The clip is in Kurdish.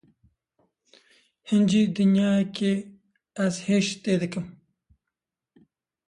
Hincî dinyayekê ez hej te dikim.